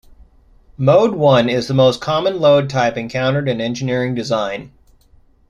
Mode One is the most common load type encountered in engineering design.